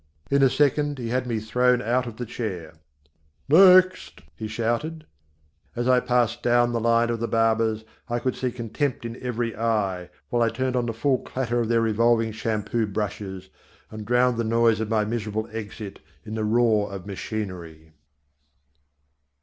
In a second he had me thrown out of the chair. "Next," he shouted. As I passed down the line of the barbers, I could see contempt in every eye while they turned on the full clatter of their revolving shampoo brushes and drowned the noise of my miserable exit in the roar of machinery.